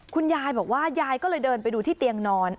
คุณยายบอกว่ายายก็เลยเดินไปดูที่เตียงนอน